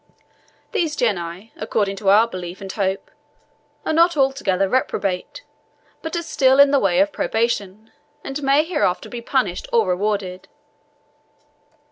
These Genii, according to our belief and hope, are not altogether reprobate, but are still in the way of probation, and may hereafter be punished or rewarded.